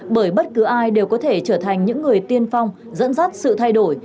bởi bất cứ ai đều có thể trở thành những người tiên phong dẫn dắt sự thay đổi